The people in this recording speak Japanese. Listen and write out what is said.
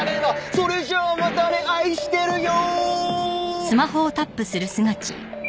「それじゃあまたね愛してるよ」